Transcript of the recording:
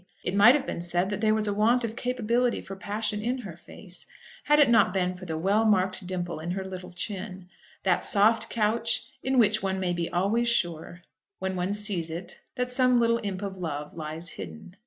It might have been said that there was a want of capability for passion in her face, had it not been for the well marked dimple in her little chin, that soft couch in which one may be always sure, when one sees it, that some little imp of Love lies hidden.